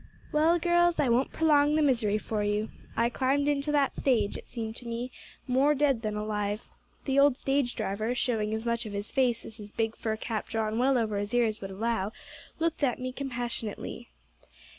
"Well, girls, I won't prolong the misery for you. I climbed into that stage, it seemed to me, more dead than alive. The old stage driver, showing as much of his face as his big fur cap drawn well over his ears would allow, looked at me compassionately.